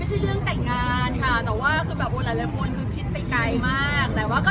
ไม่ใช่เรื่องแต่งงานแต่ว่าโอไลน์แรงงง่อนคิดไปไกลมาก